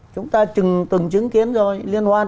chúng ta từng chứng kiến rồi liên hoan